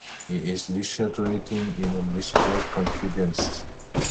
He is luxuriating in a misplaced confidence.